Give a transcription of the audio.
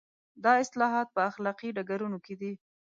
دا اصلاحات په اخلاقي ډګرونو کې دي.